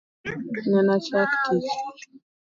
Nena chack tich